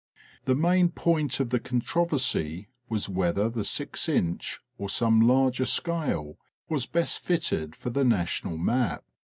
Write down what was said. The main point of the controversy was whether the six inch or some larger scale was best fitted for the national map.